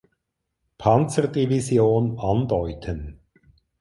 Panzerdivision andeuten.